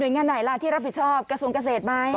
งานไหนล่ะที่รับผิดชอบกระทรวงเกษตรไหม